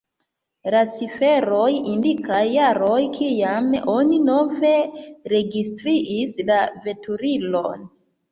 La ciferoj indikas jaron, kiam oni nove registris la veturilon.